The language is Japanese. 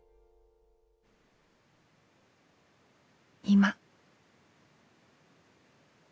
今。